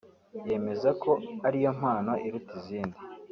yemeza ko ari yo mpano iruta izindi